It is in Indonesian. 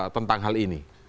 tentang hal ini